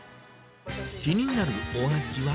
気になるお味は？